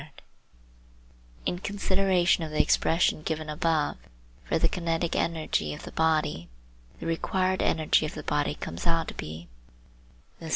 gif In consideration of the expression given above for the kinetic energy of the body, the required energy of the body comes out to be eq.